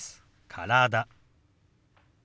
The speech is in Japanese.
「体」。